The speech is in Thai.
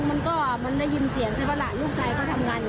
มันก็มันได้ยินเสียงใช่ปะล่ะลูกชายเขาทำงานอยู่